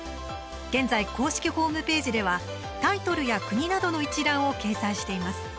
現在、公式ホームページではタイトルや国などの一覧を掲載しています。